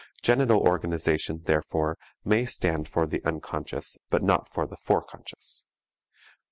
Genital organization, therefore, may stand for the unconscious but not for the fore conscious.